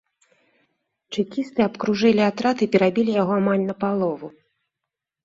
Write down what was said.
Чэкісты абкружылі атрад і перабілі яго амаль напалову.